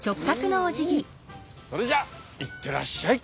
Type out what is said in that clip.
うんうんそれじゃあ行ってらっしゃい。